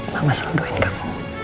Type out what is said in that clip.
mama selalu doain kamu